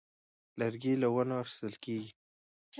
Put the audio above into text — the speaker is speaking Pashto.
لرګی له ونو اخیستل کېږي.